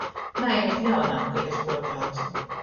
Najemit ļaunā, ka jius puortraucu!